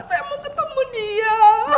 saya mau ketemu dia